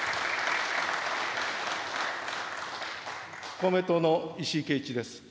公明党の石井啓一です。